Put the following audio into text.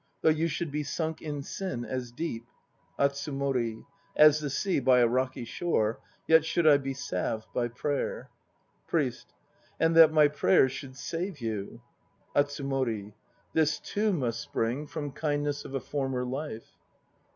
Though you should be sunk in sin as deep ... ATSUMORI. As the sea by a rocky shore, Yet should I be salved by prayer. PRIEST. And that my prayers should save you ... ATSUMORI. This too must spring ATSUMORI 41 From kindness of a former life.